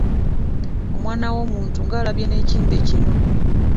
Omwana w’omuntu nga alabye n’ekimbe kino!